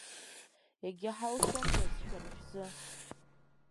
Егьа ҳалшондаз шәара шәзы.